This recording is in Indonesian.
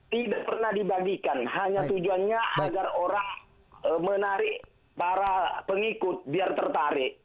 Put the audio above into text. tidak pernah dibagikan hanya tujuannya agar orang menarik para pengikut biar tertarik